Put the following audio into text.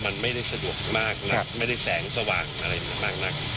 มันไม่ได้สะดวกมากนักไม่ได้แสงสว่างอะไรมากนัก